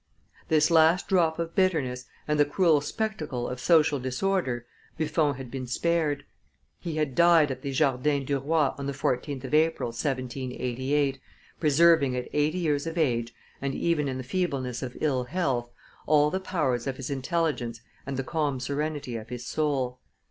This last drop of bitterness, and the cruel spectacle of social disorder, Buffon had been spared; he had died at the Jardin du Roi on the 14th of April, 1788, preserving at eighty years of age, and even in the feebleness of ill health, all the powers of his intelligence and the calm serenity of 'his soul.